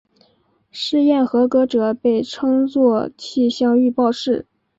试验合格者被称作气象预报士。